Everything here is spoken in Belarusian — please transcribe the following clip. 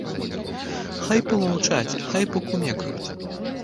Хай памаўчаць, хай пакумекаюць.